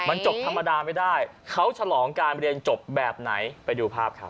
มันจบธรรมดาไม่ได้เขาฉลองการเรียนจบแบบไหนไปดูภาพครับ